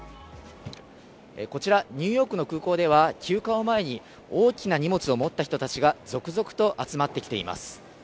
こちら、ニューヨークの空港では休暇を前に大きな荷物を持った人たちが続々と集まってきています。